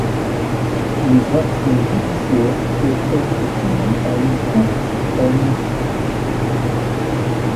Les actes judiciaires peuvent être soumis à une Cour suprême.